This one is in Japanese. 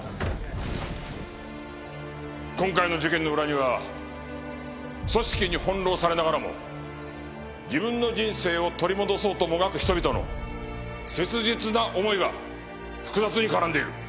今回の事件の裏には組織に翻弄されながらも自分の人生を取り戻そうともがく人々の切実な思いが複雑に絡んでいる。